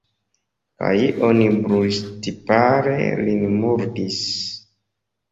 Kaj oni brulŝtipare lin murdis.